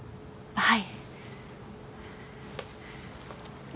はい。